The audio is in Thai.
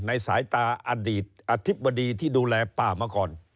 ในสายตาอธิบดีที่ดูแลป้าเมื่อก่อน